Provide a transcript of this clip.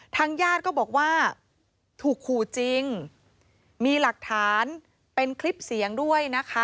ทางญาติก็บอกว่าถูกขู่จริงมีหลักฐานเป็นคลิปเสียงด้วยนะคะ